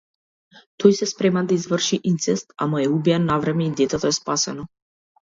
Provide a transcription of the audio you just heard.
Тој се спрема да изврши инцест, ама е убиен навреме и детето е спасено.